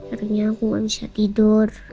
akhirnya aku nggak bisa tidur